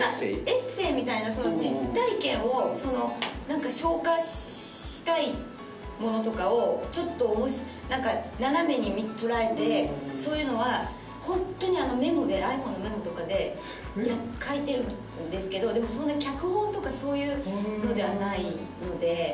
エッセーみたいな実体験をその何か消化したいものとかをちょっと斜めに捉えてそういうのはホントにｉＰｈｏｎｅのメモとかで書いてるんですけどでもそんな脚本とかそういうのではないので。